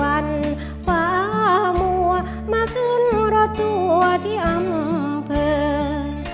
วันฟ้ามัวมาขึ้นรถตัวที่อำเภิร์น